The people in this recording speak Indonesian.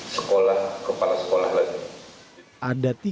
sekolah kepala sekolah lagi